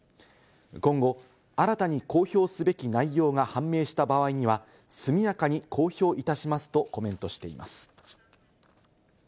今後、新たに公表すべき内容が判明した場合には速やかに公表いたしますとコメントしています。